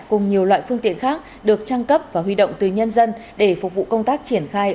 cùng nhiều loại phương tiện khác được trang cấp và huy động từ nhân dân để phục vụ công tác triển khai